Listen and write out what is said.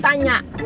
siapa yang tanya